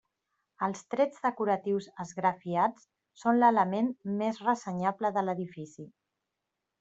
Els trets decoratius esgrafiats són l'element més ressenyable de l'edifici.